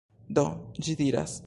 Do, ĝi diras: